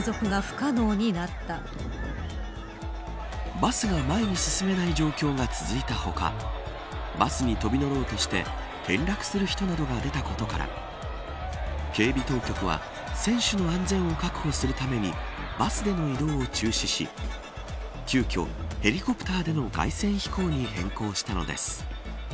バスが前に進めない状況が続いたほかバスに飛び乗ろうとして転落する人などが出たことから警備当局は選手の安全を確保するためにバスでの移動を中止し急きょヘリコプターでの凱旋飛行に変更したのです。